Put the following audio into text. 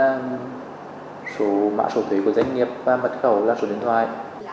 cái ảp etab đó là mã số thuế của doanh nghiệp và mật khẩu là số điện thoại